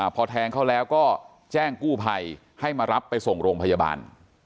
พอแทงเขาแล้วก็แจ้งกู้ภัยให้มารับไปส่งโรงพยาบาล